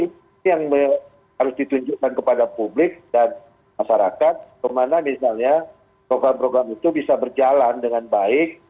ini yang harus ditunjukkan kepada publik dan masyarakat kemana misalnya program program itu bisa berjalan dengan baik